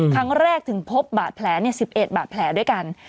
ครั้งแรกถึงพบบาดแผล๑๑บาดแผลด้วยกัน